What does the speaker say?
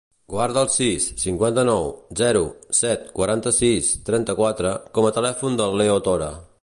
Guarda el sis, cinquanta-nou, zero, set, quaranta-sis, trenta-quatre com a telèfon del Leo Tora.